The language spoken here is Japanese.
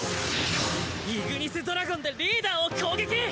イグニスドラゴンでリーダーを攻撃！